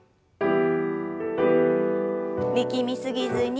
力み過ぎずに。